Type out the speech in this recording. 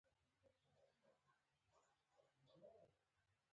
د چشت شریف مرمر سپین او شفاف دي.